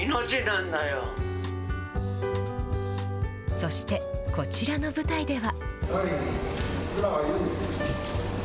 そして、こちらの舞台では。